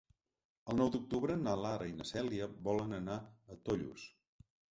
El nou d'octubre na Lara i na Cèlia volen anar a Tollos.